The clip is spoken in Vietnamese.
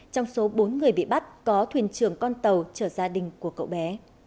trong số bốn người bị bắt có thuyền trường con tàu chở gia đình của cậu bé